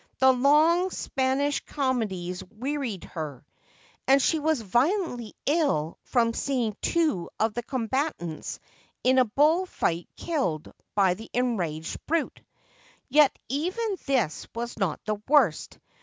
The long Spanish comedies wearied her, and she was violently ill from seeing two of the combatants in a bull fight killed by the enraged brute. Yet even this was not the worst.